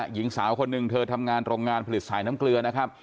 หญิงสาวคนหนึ่งเธอทำงานโรงงานผลิตสายน้ำเกลือนะครับ